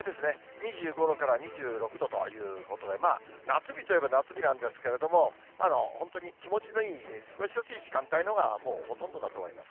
２５度から２６度ということで、夏日といえば夏日なんですけれども、本当に気持ちのいい過ごしやすい時間帯のほうがもうほとんどだと思います。